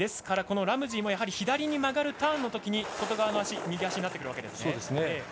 ラムジーも左に曲がるターンのときに外側の足右足になってくるわけですね。